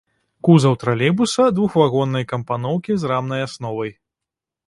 Кузаў тралейбуса двухвагоннай кампаноўкі з рамнай асновай.